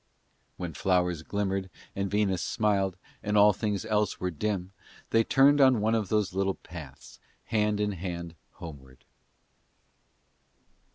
When flowers glimmered and Venus smiled and all things else were dim, they turned on one of those little paths hand in hand homeward.